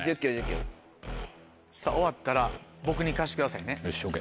終わったら僕に貸してくださいね。